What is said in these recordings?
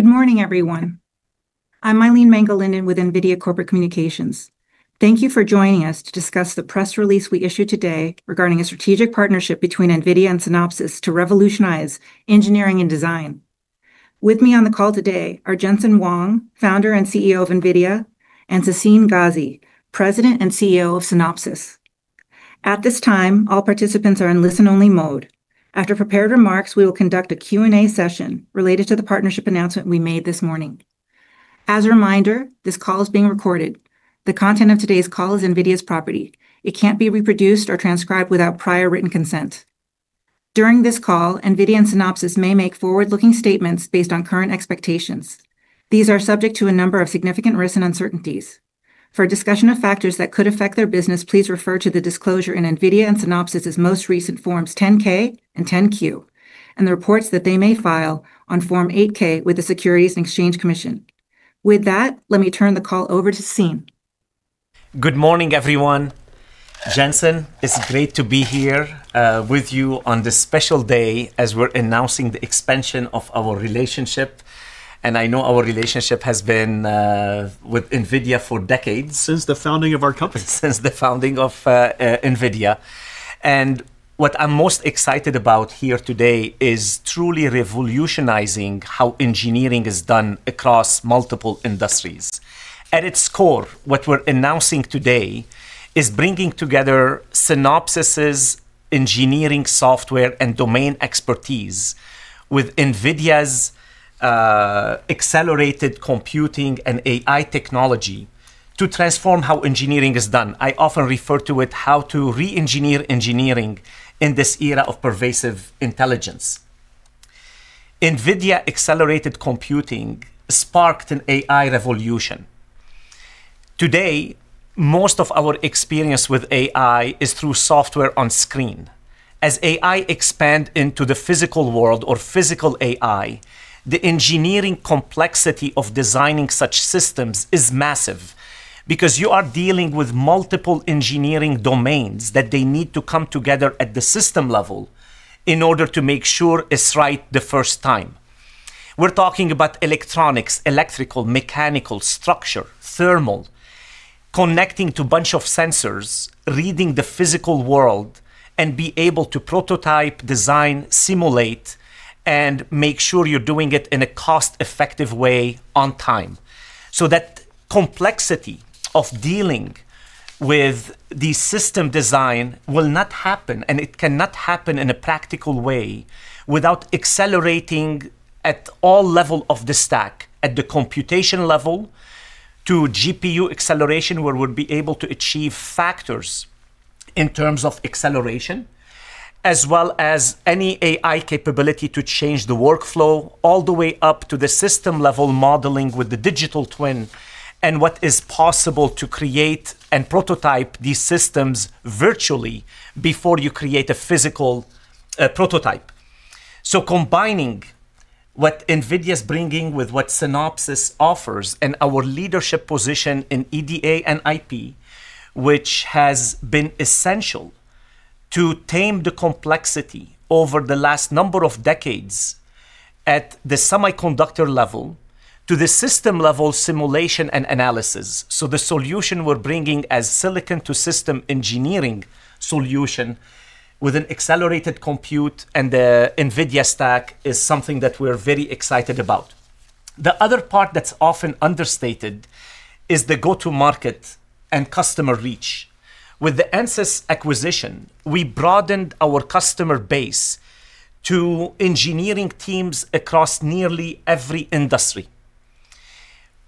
Good morning, everyone. I'm Mylene Mangalindan with NVIDIA Corporate Communications. Thank you for joining us to discuss the press release we issued today regarding a strategic partnership between NVIDIA and Synopsys to revolutionize engineering and design. With me on the call today are Jensen Huang, Founder and CEO of NVIDIA, and Sassine Ghazi, President and CEO of Synopsys. At this time, all participants are in listen-only mode. After prepared remarks, we will conduct a Q&A session related to the partnership announcement we made this morning. As a reminder, this call is being recorded. The content of today's call is NVIDIA's property. It can't be reproduced or transcribed without prior written consent. During this call, NVIDIA and Synopsys may make forward-looking statements based on current expectations. These are subject to a number of significant risks and uncertainties. For discussion of factors that could affect their business, please refer to the disclosure in NVIDIA and Synopsys' most recent Forms 10-K and 10-Q, and the reports that they may file on Form 8-K with the Securities and Exchange Commission. With that, let me turn the call over to Sassine. Good morning, everyone. Jensen, it's great to be here with you on this special day as we're announcing the expansion of our relationship. I know our relationship has been with NVIDIA for decades. Since the founding of our company. Since the founding of NVIDIA. What I'm most excited about here today is truly revolutionizing how engineering is done across multiple industries. At its core, what we're announcing today is bringing together Synopsys' engineering software and domain expertise with NVIDIA's accelerated computing and AI technology to transform how engineering is done. I often refer to it as how to re-engineer engineering in this era of pervasive intelligence. NVIDIA accelerated computing sparked an AI revolution. Today, most of our experience with AI is through software on screen. As AI expands into the physical world, or physical AI, the engineering complexity of designing such systems is massive because you are dealing with multiple engineering domains that need to come together at the system level in order to make sure it's right the first time. We're talking about electronics, electrical, mechanical, structure, thermal, connecting to a bunch of sensors, reading the physical world, and being able to prototype, design, simulate, and make sure you're doing it in a cost-effective way on time. That complexity of dealing with the system design will not happen, and it cannot happen in a practical way without accelerating at all levels of the stack, at the computation level to GPU acceleration, where we'll be able to achieve factors in terms of acceleration, as well as any AI capability to change the workflow, all the way up to the system-level modeling with the digital twin, and what is possible to create and prototype these systems virtually before you create a physical prototype. Combining what NVIDIA is bringing with what Synopsys offers and our leadership position in EDA and IP, which has been essential to tame the complexity over the last number of decades at the semiconductor level to the system-level simulation and analysis. The solution we're bringing as silicon-to-system engineering solution with an accelerated compute and the NVIDIA stack is something that we're very excited about. The other part that's often understated is the go-to-market and customer reach. With the Ansys acquisition, we broadened our customer base to engineering teams across nearly every industry.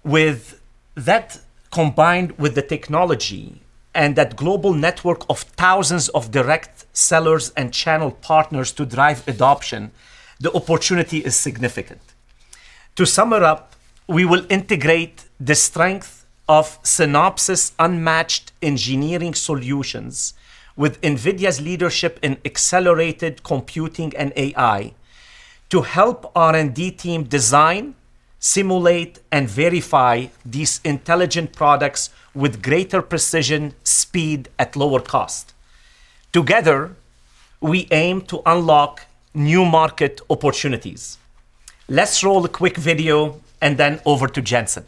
With that combined with the technology and that global network of thousands of direct sellers and channel partners to drive adoption, the opportunity is significant. To summarize, we will integrate the strength of Synopsys' unmatched engineering solutions with NVIDIA's leadership in accelerated computing and AI to help our R&D team design, simulate, and verify these intelligent products with greater precision, speed, at lower cost. Together, we aim to unlock new market opportunities. Let's roll a quick video and then over to Jensen.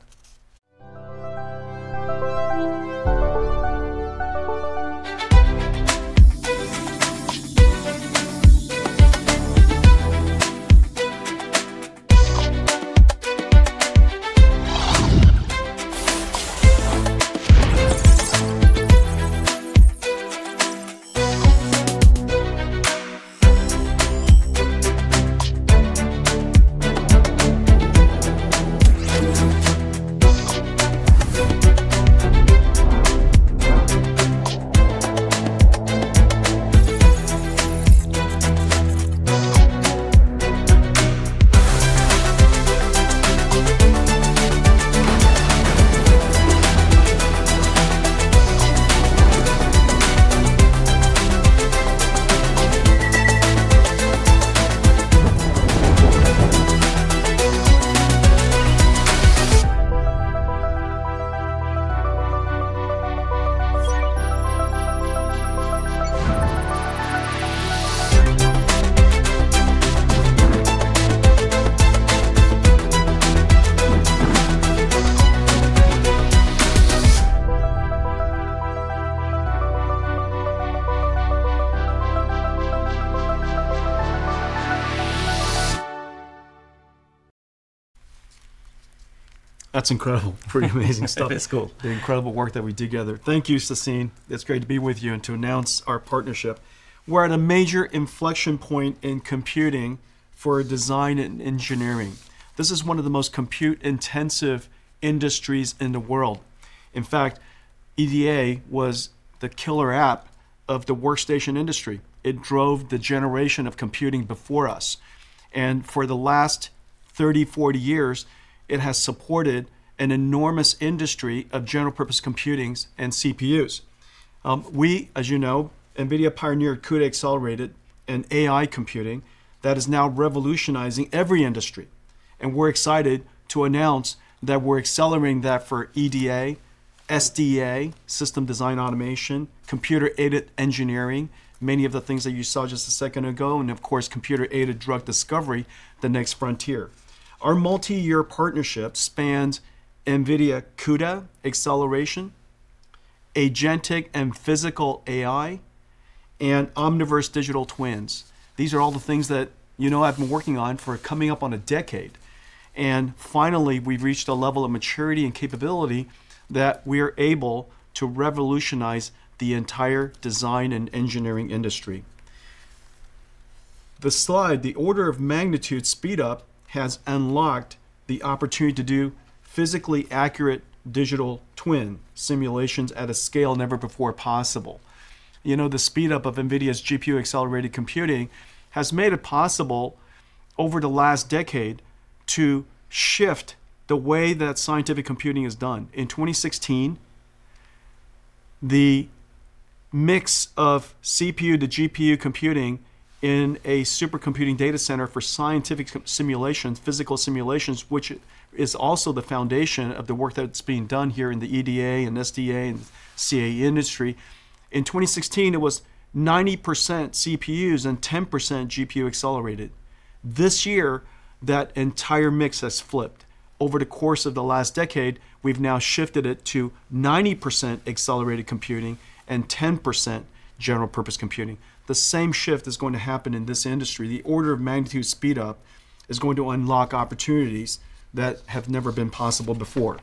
That's incredible. Pretty amazing stuff. It's cool. The incredible work that we do together. Thank you, Sassine. It's great to be with you and to announce our partnership. We're at a major inflection point in computing for design and engineering. This is one of the most compute-intensive industries in the world. In fact, EDA was the killer app of the workstation industry. It drove the generation of computing before us. For the last 30, 40 years, it has supported an enormous industry of general-purpose computings and CPUs. We, as you know, NVIDIA pioneered CUDA accelerated and AI computing that is now revolutionizing every industry. We're excited to announce that we're accelerating that for EDA, SDA, system design automation, computer-aided engineering, many of the things that you saw just a second ago, and of course, computer-aided drug discovery, the next frontier. Our multi-year partnership spans NVIDIA CUDA acceleration, agentic and physical AI, and Omniverse digital twins. These are all the things that you know I've been working on for coming up on a decade. Finally, we've reached a level of maturity and capability that we are able to revolutionize the entire design and engineering industry. The slide, the order of magnitude speed-up has unlocked the opportunity to do physically accurate digital twin simulations at a scale never before possible. You know, the speed-up of NVIDIA's GPU-accelerated computing has made it possible over the last decade to shift the way that scientific computing is done. In 2016, the mix of CPU to GPU computing in a supercomputing data center for scientific simulations, physical simulations, which is also the foundation of the work that's being done here in the EDA and SDA and CAE industry. In 2016, it was 90% CPUs and 10% GPU accelerated. This year, that entire mix has flipped. Over the course of the last decade, we've now shifted it to 90% accelerated computing and 10% general-purpose computing. The same shift is going to happen in this industry. The order of magnitude speed-up is going to unlock opportunities that have never been possible before.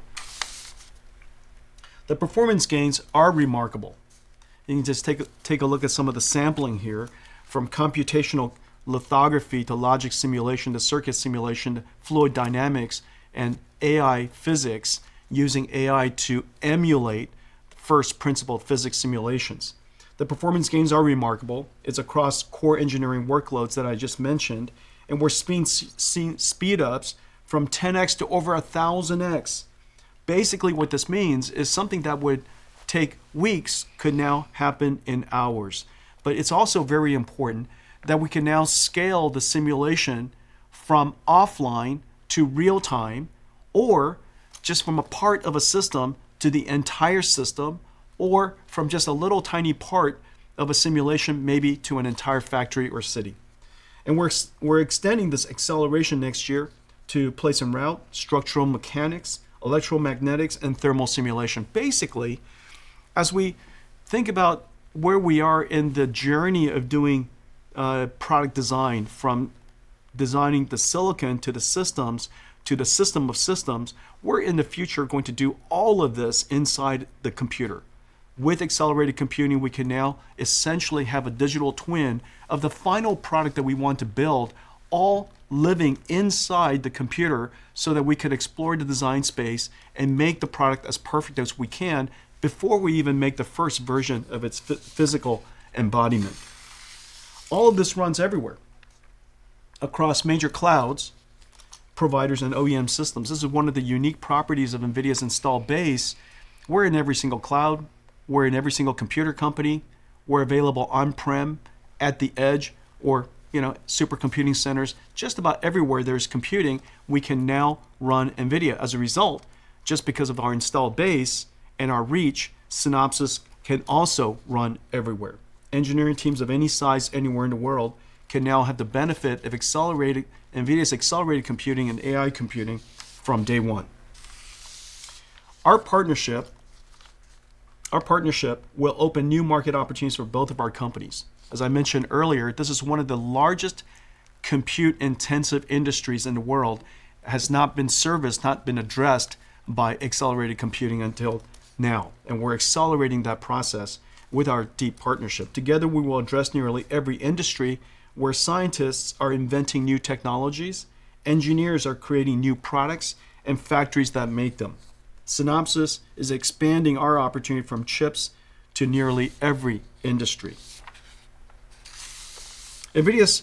The performance gains are remarkable. You can just take a look at some of the sampling here from computational lithography to logic simulation to circuit simulation to fluid dynamics and AI physics using AI to emulate first-principle physics simulations. The performance gains are remarkable. It's across core engineering workloads that I just mentioned. We're seeing speed-ups from 10x to over 1,000x. Basically, what this means is something that would take weeks could now happen in hours. It is also very important that we can now scale the simulation from offline to real-time, or just from a part of a system to the entire system, or from just a little tiny part of a simulation, maybe to an entire factory or city. We are extending this acceleration next year to place and route, structural mechanics, electromagnetics, and thermal simulation. Basically, as we think about where we are in the journey of doing product design, from designing the silicon to the systems to the system of systems, we are in the future going to do all of this inside the computer. With accelerated computing, we can now essentially have a digital twin of the final product that we want to build, all living inside the computer so that we can explore the design space and make the product as perfect as we can before we even make the first version of its physical embodiment. All of this runs everywhere across major clouds, providers, and OEM systems. This is one of the unique properties of NVIDIA's installed base. We're in every single cloud. We're in every single computer company. We're available on-prem, at the edge, or supercomputing centers. Just about everywhere there is computing, we can now run NVIDIA. As a result, just because of our installed base and our reach, Synopsys can also run everywhere. Engineering teams of any size anywhere in the world can now have the benefit of NVIDIA's accelerated computing and AI computing from day one. Our partnership will open new market opportunities for both of our companies. As I mentioned earlier, this is one of the largest compute-intensive industries in the world. It has not been serviced, not been addressed by accelerated computing until now. We are accelerating that process with our deep partnership. Together, we will address nearly every industry where scientists are inventing new technologies, engineers are creating new products, and factories that make them. Synopsys is expanding our opportunity from chips to nearly every industry. NVIDIA's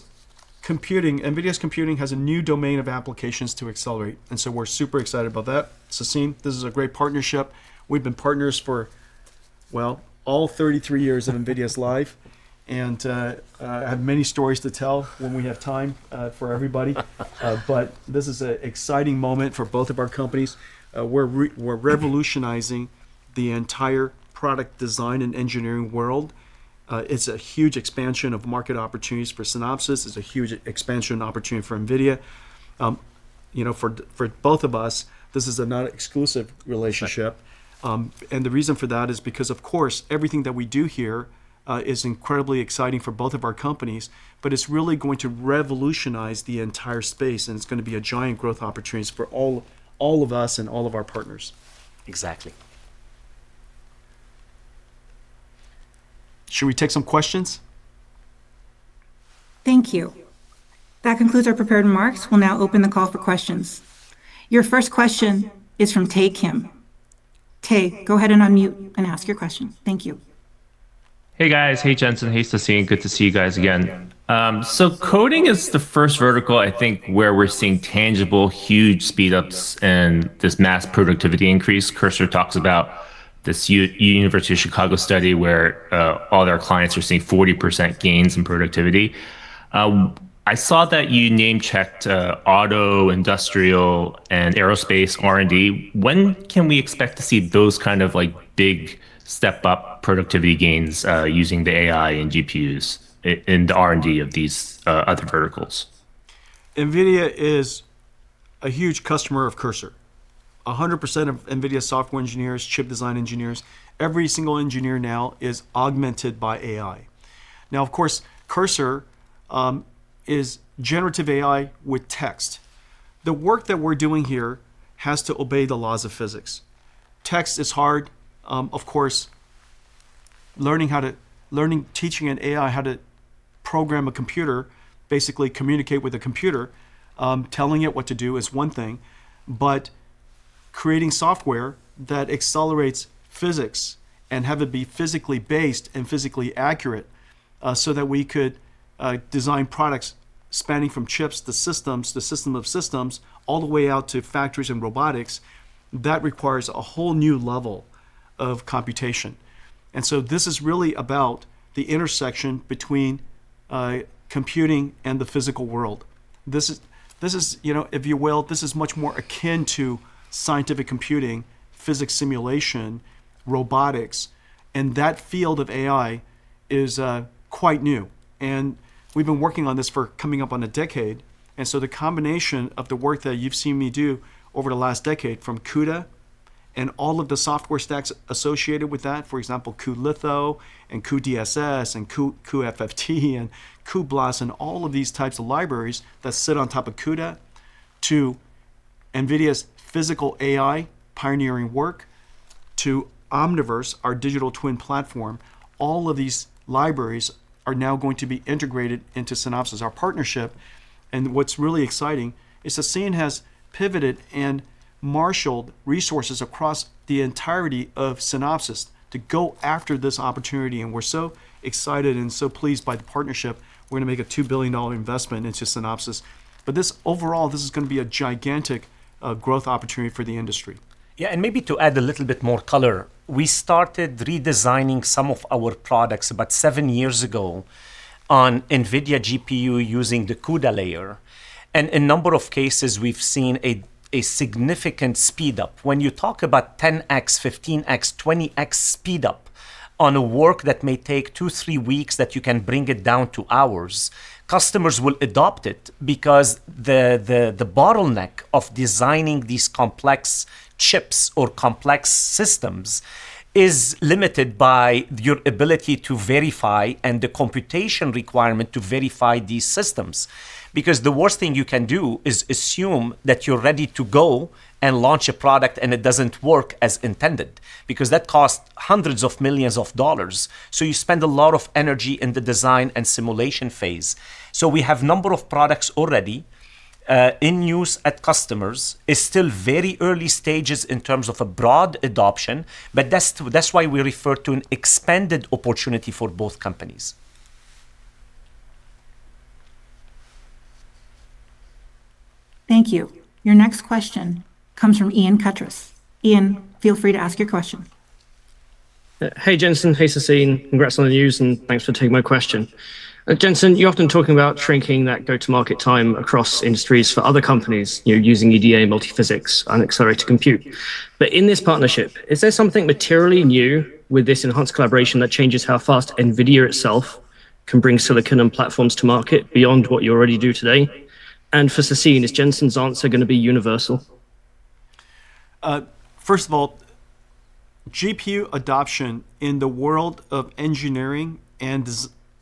computing has a new domain of applications to accelerate. We are super excited about that. Sassine, this is a great partnership. We have been partners for, well, all 33 years of NVIDIA's life. I have many stories to tell when we have time for everybody. This is an exciting moment for both of our companies. We are revolutionizing the entire product design and engineering world. It's a huge expansion of market opportunities for Synopsys. It's a huge expansion opportunity for NVIDIA. For both of us, this is a non-exclusive relationship. The reason for that is because, of course, everything that we do here is incredibly exciting for both of our companies, but it's really going to revolutionize the entire space. It's going to be a giant growth opportunity for all of us and all of our partners. Exactly. Should we take some questions? Thank you. That concludes our prepared remarks. We'll now open the call for questions. Your first question is from Tay Kim. Tay, go ahead and unmute and ask your question. Thank you. Hey, guys. Hey, Jensen. Hey, Sassine. Good to see you guys again. Coding is the first vertical, I think, where we're seeing tangible, huge speed-ups and this mass productivity increase. Cursor talks about this University of Chicago study where all their clients are seeing 40% gains in productivity. I saw that you name-checked auto, industrial, and aerospace R&D. When can we expect to see those kind of big step-up productivity gains using the AI and GPUs in the R&D of these other verticals? NVIDIA is a huge customer of Cursor. 100% of NVIDIA software engineers, chip design engineers, every single engineer now is augmented by AI. Now, of course, Cursor is generative AI with text. The work that we're doing here has to obey the laws of physics. Text is hard. Of course, learning teaching an AI how to program a computer, basically communicate with a computer, telling it what to do is one thing. Creating software that accelerates physics and has it be physically based and physically accurate so that we could design products spanning from chips to systems, the system of systems, all the way out to factories and robotics, that requires a whole new level of computation. This is really about the intersection between computing and the physical world. If you will, this is much more akin to scientific computing, physics simulation, robotics. That field of AI is quite new. We have been working on this for coming up on a decade. The combination of the work that you have seen me do over the last decade from CUDA and all of the software stacks associated with that, for example, CUDA Litho, CUDA DSS, CUDA FFT, CUDA Blast, and all of these types of libraries that sit on top of CUDA, to NVIDIA's physical AI pioneering work, to Omniverse, our digital twin platform, all of these libraries are now going to be integrated into Synopsys, our partnership. What is really exciting is Sassine has pivoted and marshaled resources across the entirety of Synopsys to go after this opportunity. We are so excited and so pleased by the partnership. We are going to make a $2 billion investment into Synopsys. Overall, this is going to be a gigantic growth opportunity for the industry. Yeah. Maybe to add a little bit more color, we started redesigning some of our products about seven years ago on NVIDIA GPU using the CUDA layer. In a number of cases, we've seen a significant speed-up. When you talk about 10x, 15x, 20x speed-up on a work that may take two, three weeks that you can bring it down to hours, customers will adopt it because the bottleneck of designing these complex chips or complex systems is limited by your ability to verify and the computation requirement to verify these systems. The worst thing you can do is assume that you're ready to go and launch a product and it doesn't work as intended. That costs hundreds of millions of dollars. You spend a lot of energy in the design and simulation phase. We have a number of products already in use at customers. It's still very early stages in terms of a broad adoption. That's why we refer to an expanded opportunity for both companies. Thank you. Your next question comes from Ian Kutrus. Ian, feel free to ask your question. Hey, Jensen. Hey, Sassine. Congrats on the news. Thanks for taking my question. Jensen, you're often talking about shrinking that go-to-market time across industries for other companies using EDA and multiphysics and accelerated compute. In this partnership, is there something materially new with this enhanced collaboration that changes how fast NVIDIA itself can bring silicon and platforms to market beyond what you already do today? For Sassine, is Jensen's answer going to be universal? First of all, GPU adoption in the world of engineering and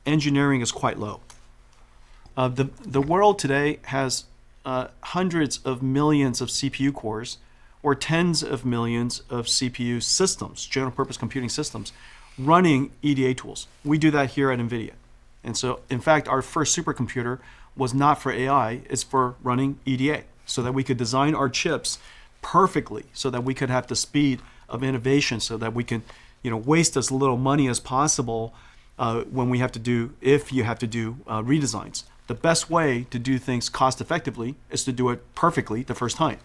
engineering is quite low. The world today has hundreds of millions of CPU cores or tens of millions of CPU systems, general-purpose computing systems, running EDA tools. We do that here at NVIDIA. In fact, our first supercomputer was not for AI. It's for running EDA so that we could design our chips perfectly so that we could have the speed of innovation so that we can waste as little money as possible when we have to do, if you have to do, redesigns. The best way to do things cost-effectively is to do it perfectly the first time.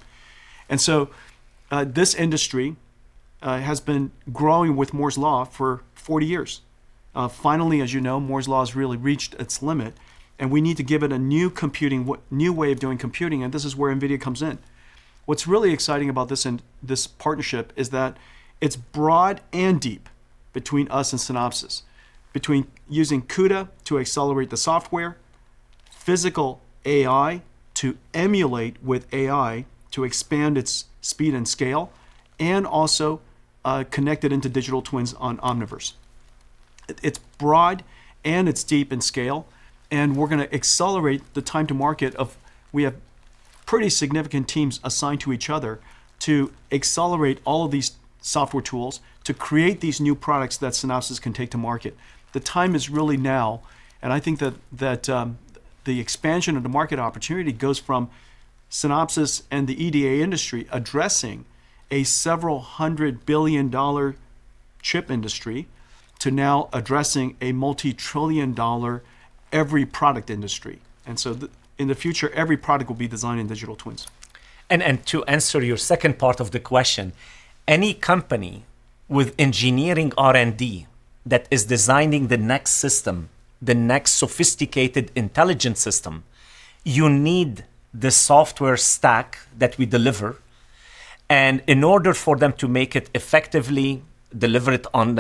This industry has been growing with Moore's Law for 40 years. Finally, as you know, Moore's Law has really reached its limit. We need to give it a new computing, new way of doing computing. This is where NVIDIA comes in. What's really exciting about this partnership is that it's broad and deep between us and Synopsys, between using CUDA to accelerate the software, physical AI to emulate with AI to expand its speed and scale, and also connected into digital twins on Omniverse. It's broad and it's deep in scale. We're going to accelerate the time to market. We have pretty significant teams assigned to each other to accelerate all of these software tools to create these new products that Synopsys can take to market. The time is really now. I think that the expansion of the market opportunity goes from Synopsys and the EDA industry addressing a several hundred billion dollar chip industry to now addressing a multi-trillion dollar every product industry. In the future, every product will be designed in digital twins. To answer your second part of the question, any company with engineering R&D that is designing the next system, the next sophisticated intelligence system, you need the software stack that we deliver. In order for them to make it effectively, deliver it on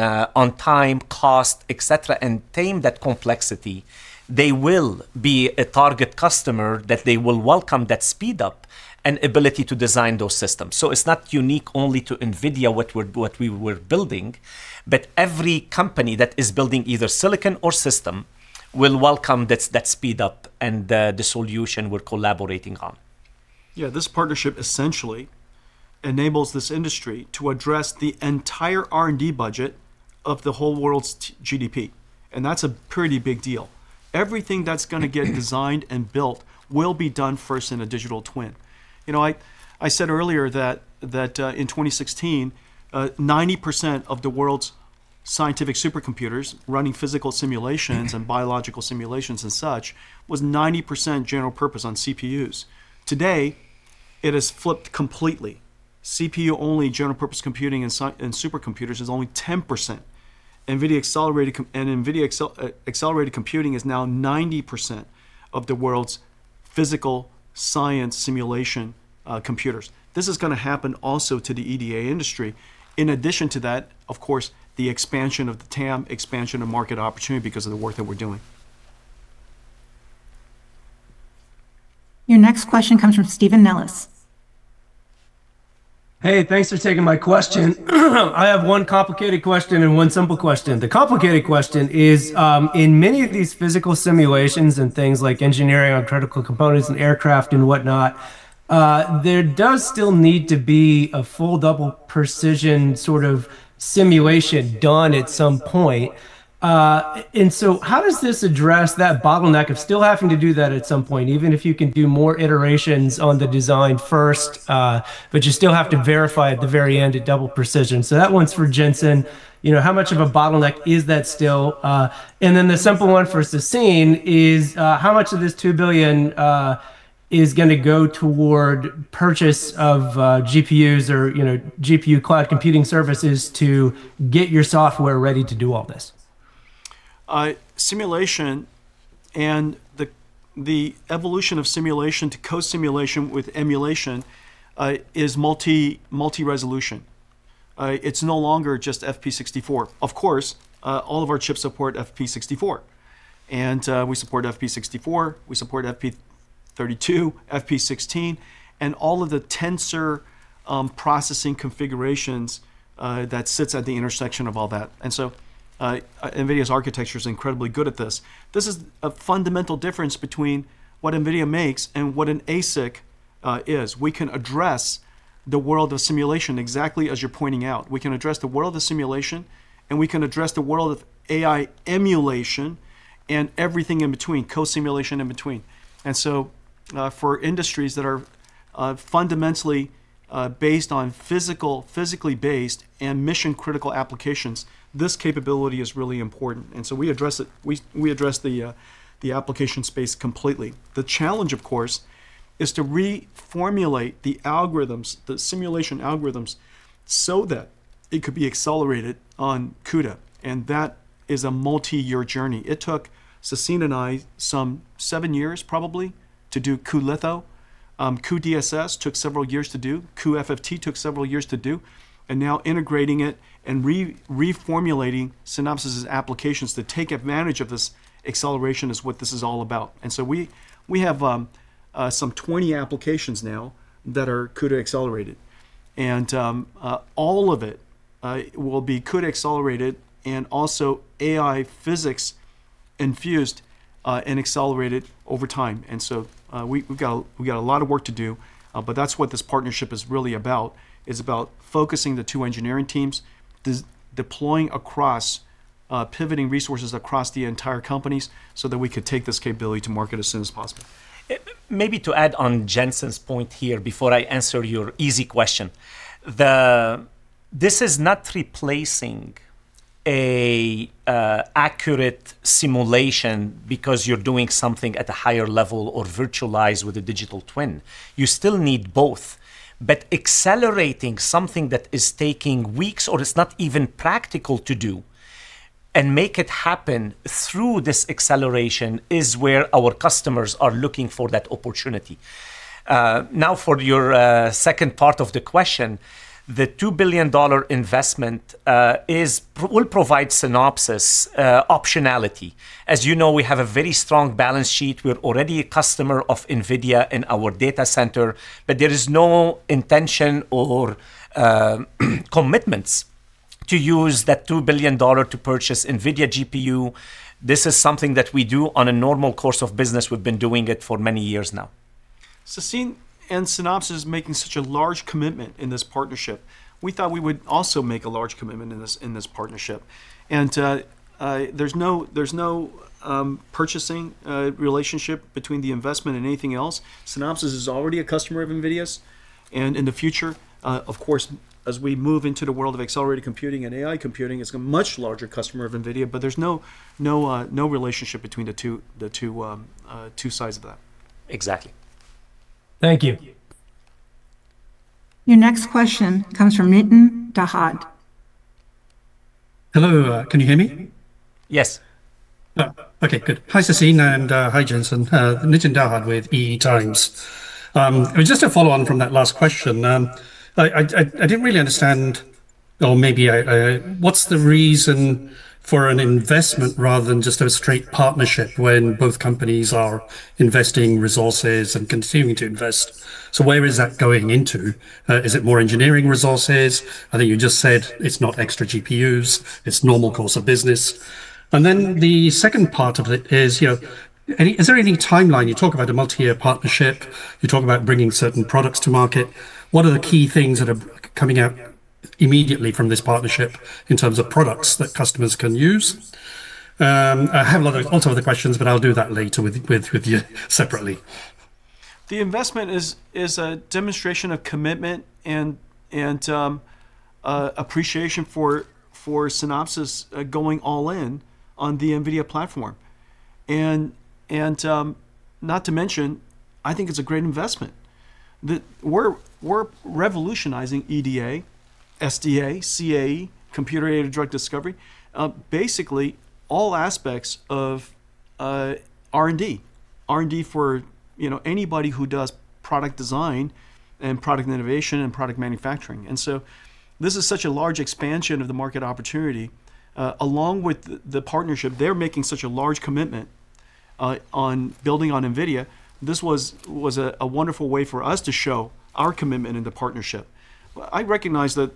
time, cost, et cetera, and tame that complexity, they will be a target customer that they will welcome that speed-up and ability to design those systems. It is not unique only to NVIDIA what we were building. Every company that is building either silicon or system will welcome that speed-up and the solution we're collaborating on. Yeah. This partnership essentially enables this industry to address the entire R&D budget of the whole world's GDP. That's a pretty big deal. Everything that's going to get designed and built will be done first in a digital twin. I said earlier that in 2016, 90% of the world's scientific supercomputers running physical simulations and biological simulations and such was 90% general purpose on CPUs. Today, it has flipped completely. CPU-only general-purpose computing and supercomputers is only 10%. NVIDIA accelerated computing is now 90% of the world's physical science simulation computers. This is going to happen also to the EDA industry. In addition to that, of course, the expansion of the TAM, expansion of market opportunity because of the work that we're doing. Your next question comes from Stephen Nellis. Hey, thanks for taking my question. I have one complicated question and one simple question. The complicated question is, in many of these physical simulations and things like engineering on critical components and aircraft and whatnot, there does still need to be a full double precision sort of simulation done at some point. How does this address that bottleneck of still having to do that at some point, even if you can do more iterations on the design first, but you still have to verify at the very end at double precision? That one's for Jensen. How much of a bottleneck is that still? The simple one for Sassine is, how much of this $2 billion is going to go toward purchase of GPUs or GPU cloud computing services to get your software ready to do all this? Simulation and the evolution of simulation to co-simulation with emulation is multi-resolution. It's no longer just FP64. Of course, all of our chips support FP64. And we support FP64. We support FP32, FP16, and all of the tensor processing configurations that sit at the intersection of all that. NVIDIA's architecture is incredibly good at this. This is a fundamental difference between what NVIDIA makes and what an ASIC is. We can address the world of simulation exactly as you're pointing out. We can address the world of simulation. We can address the world of AI emulation and everything in between, co-simulation in between. For industries that are fundamentally based on physically based and mission-critical applications, this capability is really important. We address the application space completely. The challenge, of course, is to reformulate the algorithms, the simulation algorithms, so that it could be accelerated on CUDA. That is a multi-year journey. It took Sassine and I some seven years, probably, to do CUDA Litho. CUDA DSS took several years to do. CUDA FFT took several years to do. Now integrating it and reformulating Synopsys' applications to take advantage of this acceleration is what this is all about. We have some 20 applications now that are CUDA accelerated. All of it will be CUDA accelerated and also AI physics infused and accelerated over time. We have a lot of work to do. That is what this partnership is really about, focusing the two engineering teams, deploying across, pivoting resources across the entire companies so that we could take this capability to market as soon as possible. Maybe to add on Jensen's point here before I answer your easy question, this is not replacing an accurate simulation because you're doing something at a higher level or virtualized with a digital twin. You still need both. Accelerating something that is taking weeks or is not even practical to do and make it happen through this acceleration is where our customers are looking for that opportunity. Now, for your second part of the question, the $2 billion investment will provide Synopsys optionality. As you know, we have a very strong balance sheet. We're already a customer of NVIDIA in our data center. There is no intention or commitments to use that $2 billion to purchase NVIDIA GPU. This is something that we do in the normal course of business. We've been doing it for many years now. Sassine and Synopsys making such a large commitment in this partnership. We thought we would also make a large commitment in this partnership. There is no purchasing relationship between the investment and anything else. Synopsys is already a customer of NVIDIA's. In the future, of course, as we move into the world of accelerated computing and AI computing, it is a much larger customer of NVIDIA. There is no relationship between the two sides of that. Exactly. Thank you. Your next question comes from Nitin Dahad. Hello. Can you hear me? Yes. OK. Good. Hi, Sassine. And hi, Jensen. Nitin Dahad with EE Times. Just to follow on from that last question, I didn't really understand, or maybe what's the reason for an investment rather than just a straight partnership when both companies are investing resources and continuing to invest? So where is that going into? Is it more engineering resources? I think you just said it's not extra GPUs. It's normal course of business. The second part of it is, is there any timeline? You talk about a multi-year partnership. You talk about bringing certain products to market. What are the key things that are coming out immediately from this partnership in terms of products that customers can use? I have lots of other questions. I'll do that later with you separately. The investment is a demonstration of commitment and appreciation for Synopsys going all in on the NVIDIA platform. Not to mention, I think it's a great investment. We're revolutionizing EDA, SDA, CAE, computer-aided drug discovery, basically all aspects of R&D, R&D for anybody who does product design and product innovation and product manufacturing. This is such a large expansion of the market opportunity. Along with the partnership, they're making such a large commitment on building on NVIDIA. This was a wonderful way for us to show our commitment in the partnership. I recognize that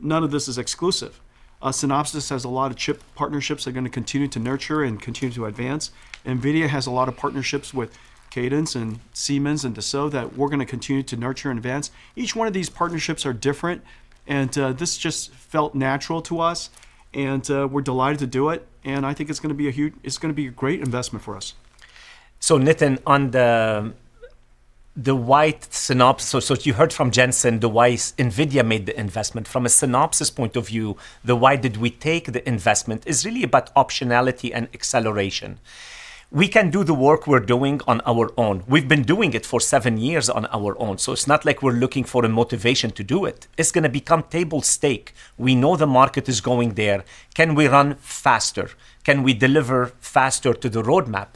none of this is exclusive. Synopsys has a lot of chip partnerships they're going to continue to nurture and continue to advance. NVIDIA has a lot of partnerships with Cadence and Siemens and Dassault that we're going to continue to nurture and advance. Each one of these partnerships are different. This just felt natural to us. We're delighted to do it. I think it's going to be a great investment for us. Nitin, on the why Synopsys, you heard from Jensen the why NVIDIA made the investment. From a Synopsys point of view, the why did we take the investment is really about optionality and acceleration. We can do the work we're doing on our own. We've been doing it for seven years on our own. It's not like we're looking for a motivation to do it. It's going to become table stake. We know the market is going there. Can we run faster? Can we deliver faster to the roadmap?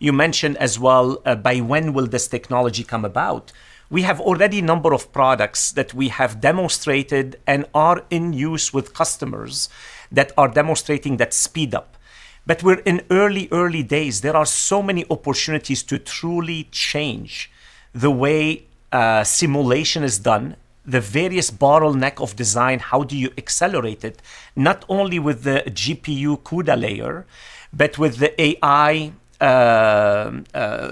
You mentioned as well, by when will this technology come about? We have already a number of products that we have demonstrated and are in use with customers that are demonstrating that speed-up. We're in early, early days. There are so many opportunities to truly change the way simulation is done, the various bottlenecks of design, how do you accelerate it, not only with the GPU CUDA layer, but with the AI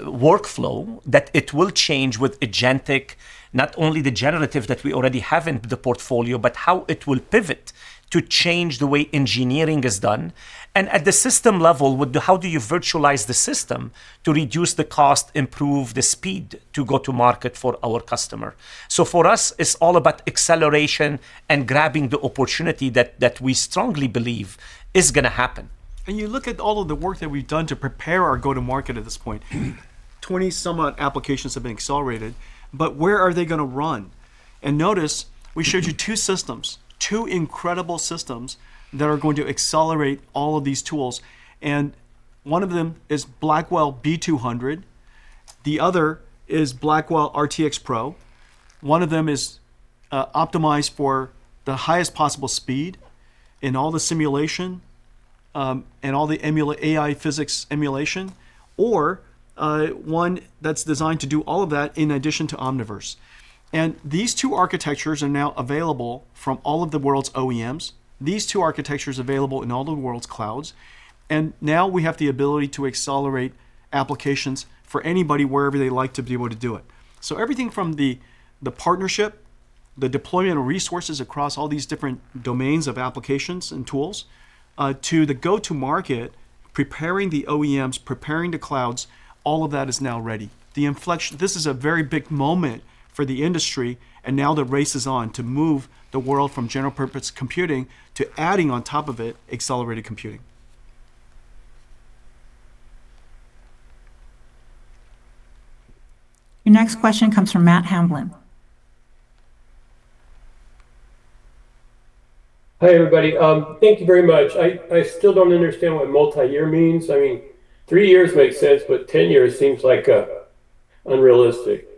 workflow that it will change with agentic, not only the generative that we already have in the portfolio, but how it will pivot to change the way engineering is done. At the system level, how do you virtualize the system to reduce the cost, improve the speed to go to market for our customer? For us, it's all about acceleration and grabbing the opportunity that we strongly believe is going to happen. You look at all of the work that we've done to prepare our go-to-market at this point. Twenty-some-odd applications have been accelerated. Where are they going to run? Notice, we showed you two systems, two incredible systems that are going to accelerate all of these tools. One of them is Blackwell B200. The other is Blackwell RTX Pro. One of them is optimized for the highest possible speed in all the simulation and all the AI physics emulation, or one that's designed to do all of that in addition to Omniverse. These two architectures are now available from all of the world's OEMs. These two architectures are available in all the world's clouds. Now we have the ability to accelerate applications for anybody wherever they like to be able to do it. Everything from the partnership, the deployment of resources across all these different domains of applications and tools, to the go-to-market, preparing the OEMs, preparing the clouds, all of that is now ready. This is a very big moment for the industry. Now the race is on to move the world from general-purpose computing to adding on top of it accelerated computing. Your next question comes from Matt Hamblin. Hi, everybody. Thank you very much. I still don't understand what multi-year means. I mean, three years makes sense. But 10 years seems like unrealistic.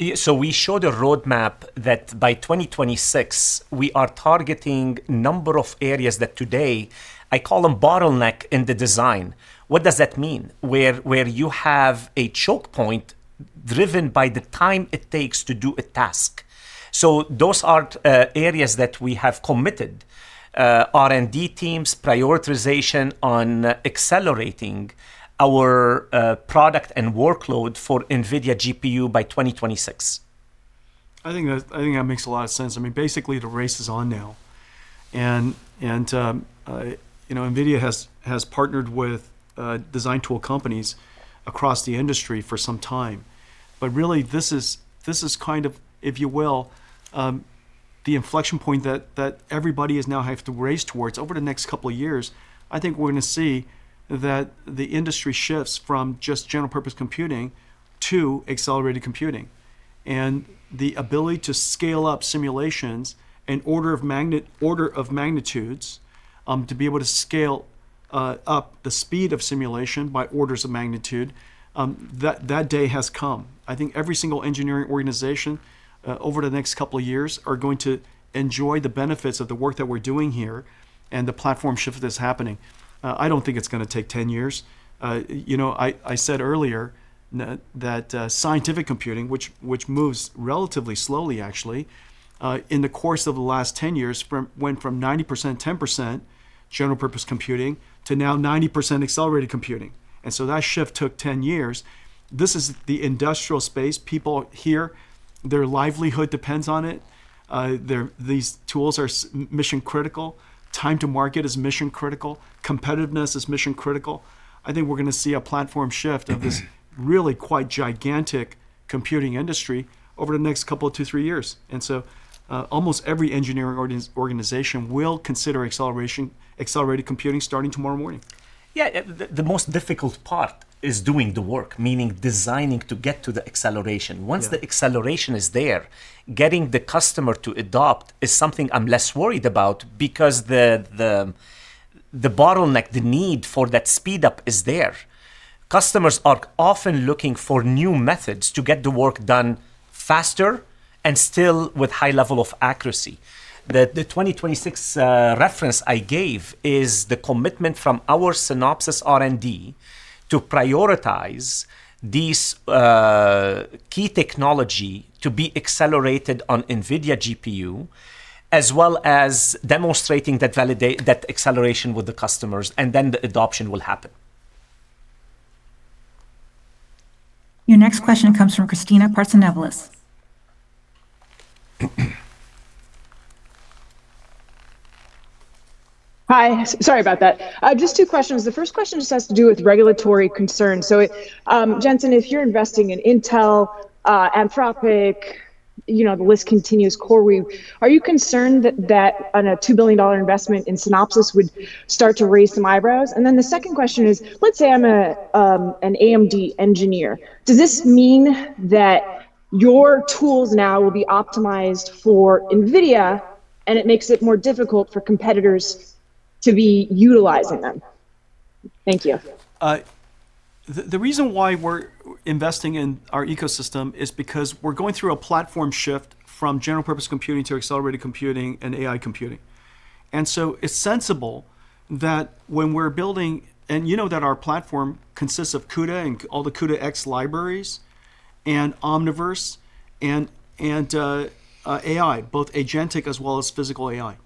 We showed a roadmap that by 2026, we are targeting a number of areas that today I call them bottlenecks in the design. What does that mean? Where you have a choke point driven by the time it takes to do a task. Those are areas that we have committed R&D teams, prioritization on accelerating our product and workload for NVIDIA GPU by 2026. I think that makes a lot of sense. I mean, basically, the race is on now. NVIDIA has partnered with design tool companies across the industry for some time. This is kind of, if you will, the inflection point that everybody is now having to race towards over the next couple of years. I think we're going to see that the industry shifts from just general-purpose computing to accelerated computing. The ability to scale up simulations in order of magnitudes to be able to scale up the speed of simulation by orders of magnitude, that day has come. I think every single engineering organization over the next couple of years are going to enjoy the benefits of the work that we're doing here and the platform shift that's happening. I don't think it's going to take 10 years. I said earlier that scientific computing, which moves relatively slowly, actually, in the course of the last 10 years went from 90%, 10% general-purpose computing to now 90% accelerated computing. That shift took 10 years. This is the industrial space. People here, their livelihood depends on it. These tools are mission-critical. Time to market is mission-critical. Competitiveness is mission-critical. I think we're going to see a platform shift of this really quite gigantic computing industry over the next couple of two, three years. Almost every engineering organization will consider accelerated computing starting tomorrow morning. Yeah. The most difficult part is doing the work, meaning designing to get to the acceleration. Once the acceleration is there, getting the customer to adopt is something I'm less worried about because the bottleneck, the need for that speed-up is there. Customers are often looking for new methods to get the work done faster and still with high level of accuracy. The 2026 reference I gave is the commitment from our Synopsys R&D to prioritize this key technology to be accelerated on NVIDIA GPU, as well as demonstrating that acceleration with the customers. The adoption will happen. Your next question comes from Christina Partzanevlis. Hi. Sorry about that. Just two questions. The first question just has to do with regulatory concerns. Jensen, if you're investing in Intel, Anthropic, the list continues, CoreWeave, are you concerned that a $2 billion investment in Synopsys would start to raise some eyebrows? The second question is, let's say I'm an AMD engineer. Does this mean that your tools now will be optimized for NVIDIA and it makes it more difficult for competitors to be utilizing them? Thank you. The reason why we're investing in our ecosystem is because we're going through a platform shift from general-purpose computing to accelerated computing and AI computing. It is sensible that when we're building and you know that our platform consists of CUDA and all the CUDA X libraries and Omniverse and AI, both agentic as well as physical AI.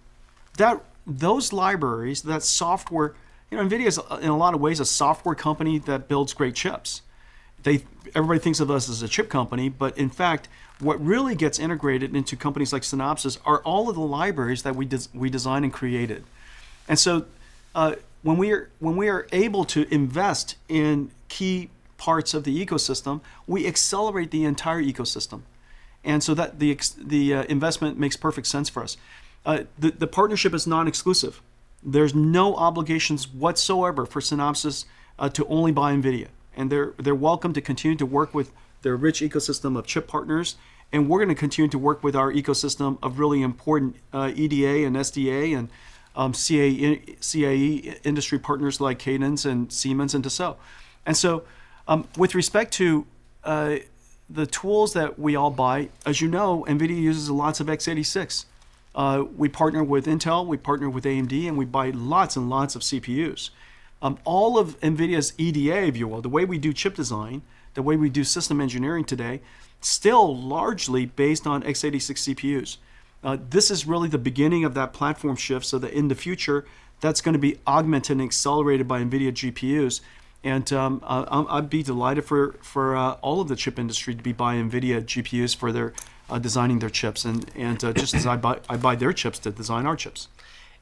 Those libraries, that software, NVIDIA is in a lot of ways a software company that builds great chips. Everybody thinks of us as a chip company. In fact, what really gets integrated into companies like Synopsys are all of the libraries that we designed and created. When we are able to invest in key parts of the ecosystem, we accelerate the entire ecosystem. That investment makes perfect sense for us. The partnership is non-exclusive. There are no obligations whatsoever for Synopsys to only buy NVIDIA. They're welcome to continue to work with their rich ecosystem of chip partners. We're going to continue to work with our ecosystem of really important EDA and SDA and CAE industry partners like Cadence and Siemens and Dassault. With respect to the tools that we all buy, as you know, NVIDIA uses lots of x86. We partner with Intel. We partner with AMD. We buy lots and lots of CPUs. All of NVIDIA's EDA, if you will, the way we do chip design, the way we do system engineering today, is still largely based on x86 CPUs. This is really the beginning of that platform shift. In the future, that's going to be augmented and accelerated by NVIDIA GPUs. I'd be delighted for all of the chip industry to be buying NVIDIA GPUs for designing their chips. Just as I buy their chips to design our chips.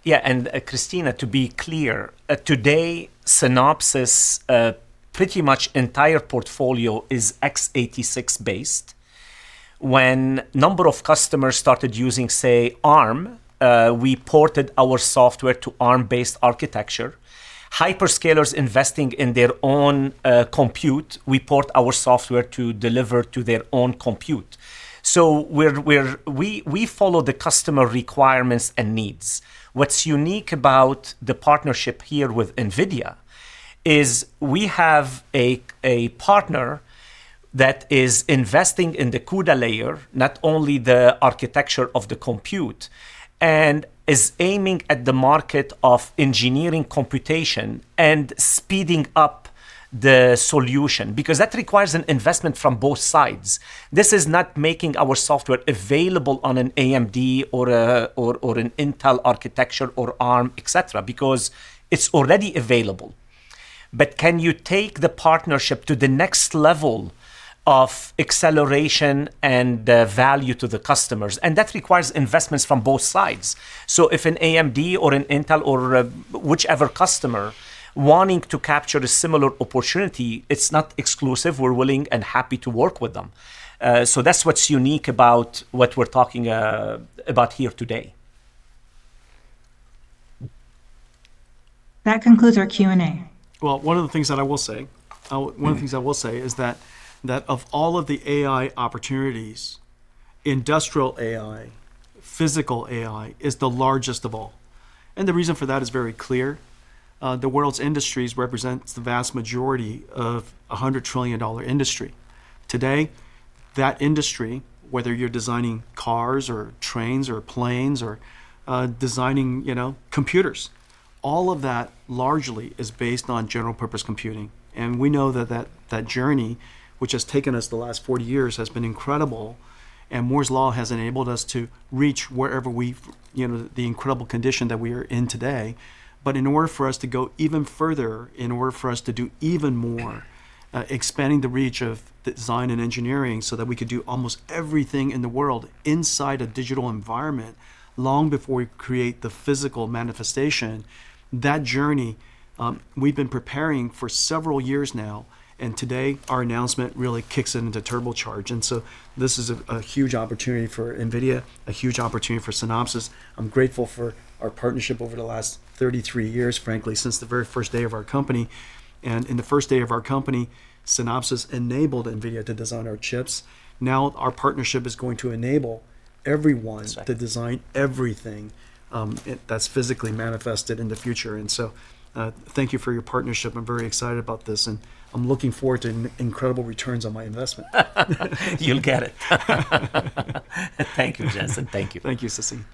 Yeah. Christina, to be clear, today Synopsys' pretty much entire portfolio is x86-based. When a number of customers started using, say, ARM, we ported our software to ARM-based architecture. Hyperscalers investing in their own compute, we port our software to deliver to their own compute. We follow the customer requirements and needs. What's unique about the partnership here with NVIDIA is we have a partner that is investing in the CUDA layer, not only the architecture of the compute, and is aiming at the market of engineering computation and speeding up the solution because that requires an investment from both sides. This is not making our software available on an AMD or an Intel architecture or ARM, et cetera, because it's already available. Can you take the partnership to the next level of acceleration and value to the customers? That requires investments from both sides. If an AMD or an Intel or whichever customer wanting to capture a similar opportunity, it's not exclusive. We're willing and happy to work with them. That's what's unique about what we're talking about here today. That concludes our Q&A. One of the things that I will say, one of the things I will say is that of all of the AI opportunities, industrial AI, physical AI is the largest of all. The reason for that is very clear. The world's industries represent the vast majority of a $100 trillion industry. Today, that industry, whether you're designing cars or trains or planes or designing computers, all of that largely is based on general-purpose computing. We know that that journey, which has taken us the last 40 years, has been incredible. Moore's Law has enabled us to reach wherever we the incredible condition that we are in today. In order for us to go even further, in order for us to do even more, expanding the reach of the design and engineering so that we could do almost everything in the world inside a digital environment long before we create the physical manifestation, that journey we've been preparing for several years now. Today, our announcement really kicks it into turbocharge. This is a huge opportunity for NVIDIA, a huge opportunity for Synopsys. I'm grateful for our partnership over the last 33 years, frankly, since the very first day of our company. In the first day of our company, Synopsys enabled NVIDIA to design our chips. Now our partnership is going to enable everyone to design everything that's physically manifested in the future. Thank you for your partnership. I'm very excited about this. I'm looking forward to incredible returns on my investment. You'll get it. Thank you, Jensen. Thank you. Thank you, Sassine.